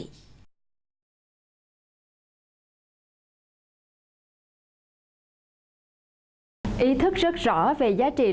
ý thức rất rõ về giá trị lịch sử của quân và dân tỉnh phú yên là nơi sản xuất vũ khí và kho cất giấu vũ khí là vậy